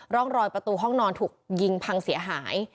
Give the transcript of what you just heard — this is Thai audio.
ร่องรอยประตูห้องนอนถูกยิงพังเสียหาย